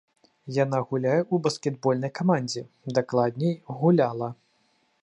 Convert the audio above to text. Яна гуляе ў баскетбольнай камандзе, дакладней, гуляла.